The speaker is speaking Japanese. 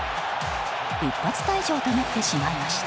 一発退場となってしまいました。